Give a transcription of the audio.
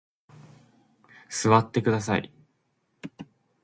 座ってください。